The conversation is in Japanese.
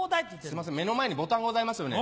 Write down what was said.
すいません目の前にボタンございますよね。